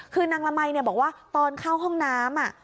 คือนางละมัยบอกว่าตอนเข้าห้องน้ำ